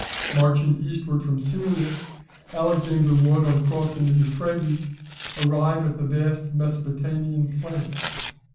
Marching eastward from Syria, Alexander would, on crossing the Euphrates, arrive at the vast Mesopotamian plains.